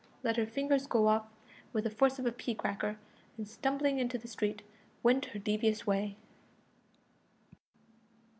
let her fingers go off with the force of a pea cracker, and, stumbling into the street, went her devious way.